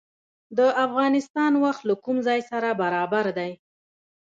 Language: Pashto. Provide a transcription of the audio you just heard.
د افغانستان وخت له کوم ځای سره برابر دی؟